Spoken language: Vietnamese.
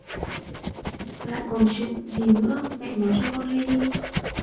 Lại còn chuyện gì nữa Mẹ nói cho con nghe đi